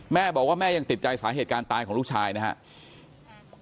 แม่บอกว่าแม่ยังติดใจสาเหตุการณ์ตายของลูกชายนะครับ